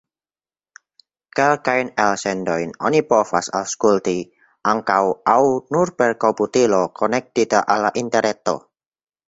Kelkajn elsendojn oni povas aŭskulti ankaŭ aŭ nur per komputilo konektita al la interreto.